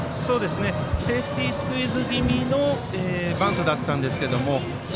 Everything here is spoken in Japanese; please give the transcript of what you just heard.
セーフティースクイズ気味のバントだったんですが。